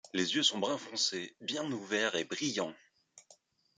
Les yeux sont brun foncé, bien ouverts et brillants.